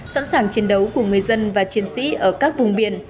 sẵn sàng chiến đấu của người dân và chiến sĩ ở các vùng biển